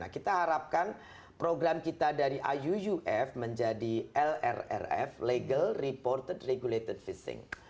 kita harapkan program kita dari iuuf menjadi lrrf legal reported regulated fishing